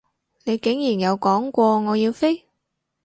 我竟然有講過我要飛？